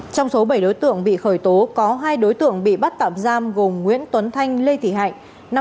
trong số bảy đối tượng bị khởi tố có hai đối tượng bị bắt tạm giam gồm nguyễn tuấn thanh lê thị hạnh